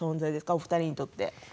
お二人にとって。